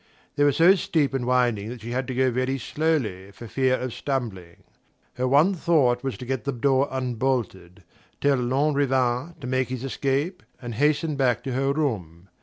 They were so steep and winding that she had to go very slowly, for fear of stumbling. Her one thought was to get the door unbolted, tell Lanrivain to make his escape, and hasten back to her room.